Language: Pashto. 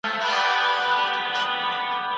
تاسو به په کار کي له حوصلې څخه کار اخلئ.